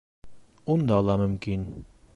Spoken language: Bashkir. Унда ла мөмкин.